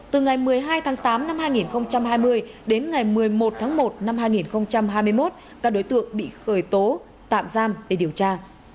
từ ngày một mươi hai tháng tám năm hai nghìn hai mươi đến ngày một mươi một tháng một năm hai nghìn hai mươi một các đối tượng bị khởi tố tạm giam để điều tra